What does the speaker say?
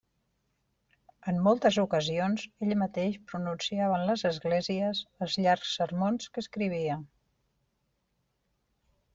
En moltes ocasions ell mateix pronunciava en les esglésies els llargs sermons que escrivia.